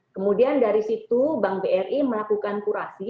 kemudian dari situ bank bri melakukan kurasi